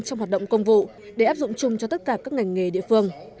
trong hoạt động công vụ để áp dụng chung cho tất cả các ngành nghề địa phương